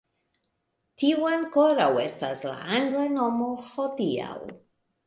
Tiu ankoraŭ estas la angla nomo hodiaŭ.